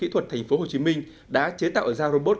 thành phố hồ chí minh đã chế tạo ra robot